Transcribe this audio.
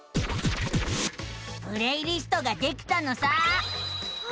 プレイリストができたのさあ。